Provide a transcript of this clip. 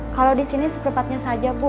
kalau disini sepepatnya saja bu